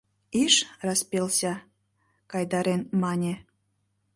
— Иш, распелся, — кайдарен мане.